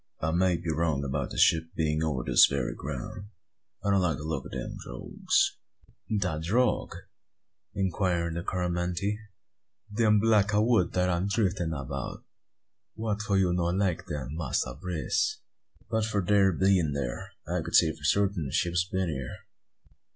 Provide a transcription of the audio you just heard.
"I may be wrong about the ship being over this very ground. I don't like the look o' them drogues." "De drogue?" inquired the Coromantee. "Dem block o' wood dat am driffin' about? Wha' for you no like dem, Massa Brace?" "But for their bein' thear I could say for sartin a ship had been here."